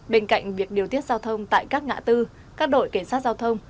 bên cạnh việc điều tiết giao thông tại các ngã tư các đội cảnh sát giao thông